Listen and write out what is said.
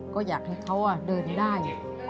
ก็อยากให้เขาเดินได้